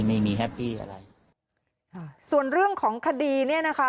ไม่มีแฮปปี้อะไรค่ะส่วนเรื่องของคดีเนี้ยนะคะ